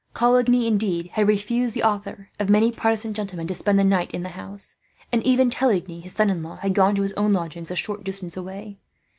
Coligny, indeed, had refused the offer of many Protestant gentlemen to spend the night in the house; and even Teligny, his son in law, had gone to his own lodgings a short distance away.